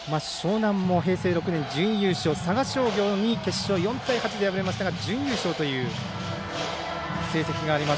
樟南も平成６年、準優勝佐賀商業に決勝４対８で敗れましたが準優勝という成績があります。